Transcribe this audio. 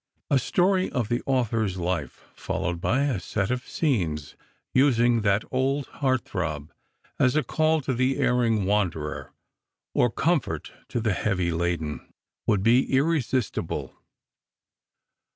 A story of the author's life, followed by a set of scenes using that old heart throb as a call to the erring wanderer or comfort to the heavy laden, would be irresistible.